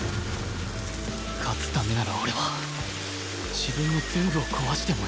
勝つためなら俺は自分の全部を壊してもいい